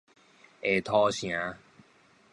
下土城